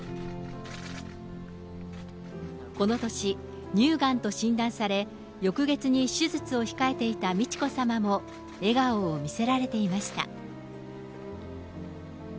この年、乳がんと診断され、翌月に手術を控えていた美智子さまも笑顔を見せられていました。